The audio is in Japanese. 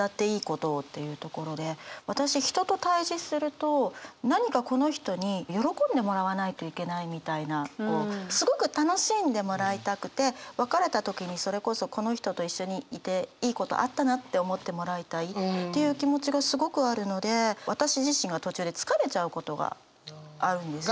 私人と対じすると何かこの人に喜んでもらわないといけないみたいなこうすごく楽しんでもらいたくて別れた時にそれこそこの人と一緒にいていいことあったなって思ってもらいたいっていう気持ちがすごくあるので私自身が途中で疲れちゃうことがあるんですよね。